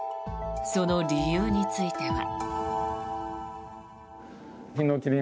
その理由については。